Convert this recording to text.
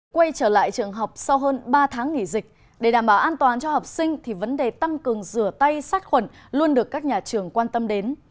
quay trở lại trường học sau hơn ba tháng nghỉ dịch để đảm bảo an toàn cho học sinh thì vấn đề tăng cường rửa tay sát khuẩn luôn được các nhà trường quan tâm đến